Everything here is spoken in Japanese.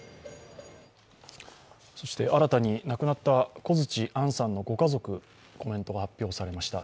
新たに亡くなった小槌杏さんのご家族のコメントが発表されました。